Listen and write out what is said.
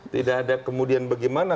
tidak ada kemudian bagaimana